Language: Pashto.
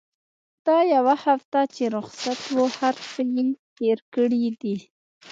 دا يوه هفته چې رخصت وه هرڅه يې هېر کړي دي.